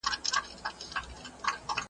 نه یې هیله د آزادو الوتلو .